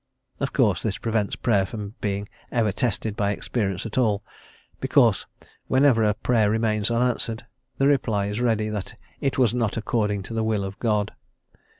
Of course, this prevents Prayer from being ever tested by experience at all, because whenever a Prayer remains unanswered the reply is ready, that "it was not according to the will of God."